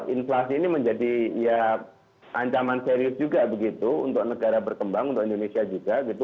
inflasi ini menjadi ya ancaman serius juga begitu untuk negara berkembang untuk indonesia juga gitu